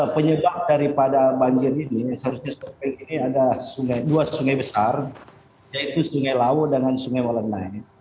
penyebab daripada banjir ini seharusnya sokping ini ada dua sungai besar yaitu sungai lawo dan sungai walenai